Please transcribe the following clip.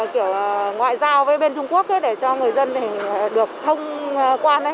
kiểu ngoại giao với bên trung quốc để cho người dân thì được thông quan